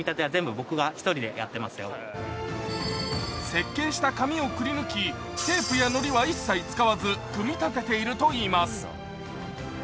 設計した紙をくりぬきテープやのりは一切使わず組み立てているといいます。